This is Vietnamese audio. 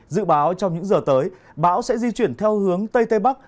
dự báo trong những giờ tới bão sẽ di chuyển theo hướng tây tây bắc